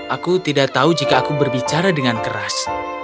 aku tidak tahu jika aku berbicara dengan keras